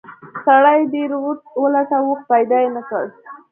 سړي ډیر ولټاوه خو پیدا یې نه کړ.